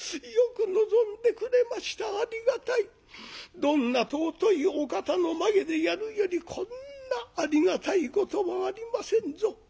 どんな貴いお方の前でやるよりこんなありがたいことはありませんぞ。